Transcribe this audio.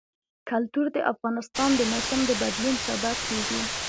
کلتور د افغانستان د موسم د بدلون سبب کېږي.